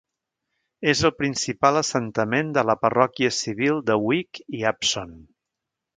És el principal assentament de la parròquia civil de Wick i Abson.